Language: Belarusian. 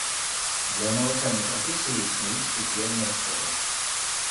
Для навучання прафесіі існуюць спецыяльныя школы.